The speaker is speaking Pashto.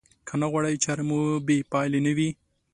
که نه غواړئ چارې مو بې پايلې نه وي.